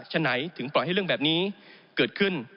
ฉะไหนถึงปล่อยให้เรื่องแบบนี้เกิดขึ้น